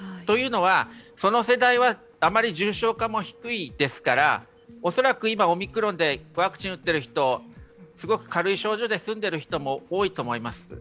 というのは、その世代は重症化も低いですからおそらく今、オミクロンでワクチンを打っている人、すごく軽い症状で済んでいる人も多いと思います。